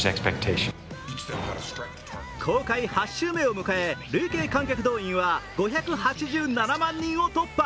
公開８週目を迎え、累計観客動員は５８７万人を突破。